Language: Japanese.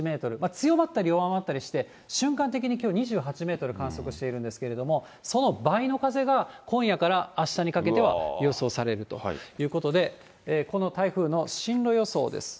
強まったり弱まったりして、瞬間的にきょう２８メートル観測しているんですけれども、その倍の風が、今夜からあしたにかけては予想されるということで、この台風の進路予想です。